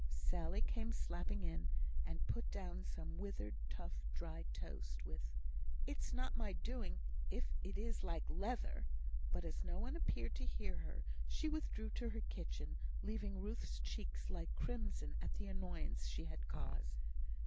Sally came slapping in, and put down some withered, tough, dry toast, with "It's not my doing if it is like leather;" but as no one appeared to hear her, she withdrew to her kitchen, leaving Ruth's cheeks like crimson at the annoyance she had caused.